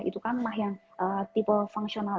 itu kan mah yang tipe fungsional